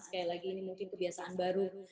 sekali lagi ini mungkin kebiasaan baru